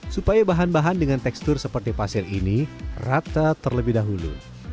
supaya bahan bahan dengan tekstur seperti pasir ini rata terlebih dahulu